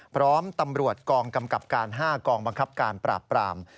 พร้อมตำรวจกองกำกับการ๕กองบังคับการปราบปราม